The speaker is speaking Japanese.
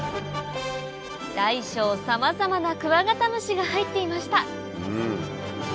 大小さまざまなクワガタムシが入っていました